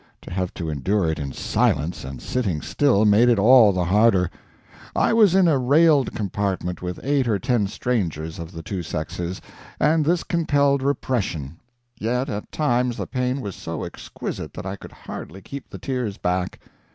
To have to endure it in silence, and sitting still, made it all the harder. I was in a railed compartment with eight or ten strangers, of the two sexes, and this compelled repression; yet at times the pain was so exquisite that I could hardly keep the tears back.